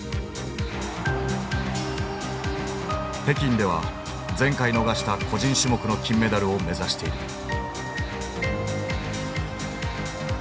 北京では前回逃した個人種目の金メダルを目指している。